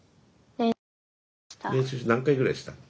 練習何回ぐらいした？